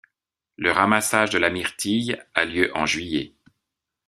Le ramassage de la myrtille a lieu en juillet.